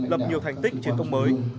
lập nhiều thành tích trên tông mới